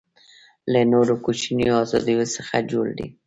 له نورو کوچنیو آزادیو څخه جوړ دی.